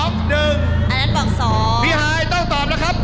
พี่ฮายต้องตอบแล้วครับ